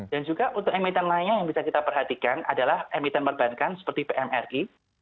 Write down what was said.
dan juga untuk emiten lainnya yang bisa kita perhatikan adalah emiten perbankan seperti pmri